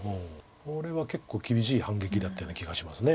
これは結構厳しい反撃だったような気がします。